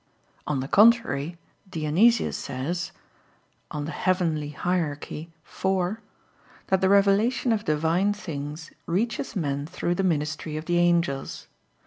On the contrary, Dionysius says (Coel. Hier. iv) that the revelation of Divine things reaches men through the ministry of the angels.